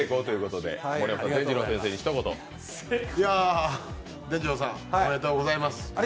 でんじろうさん、おめでとうございます。